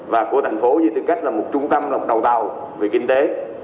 và của thành phố với tư cách là một trung tâm đầu tàu về kinh tế